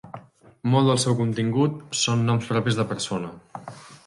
Molt del seu contingut són noms propis de persona.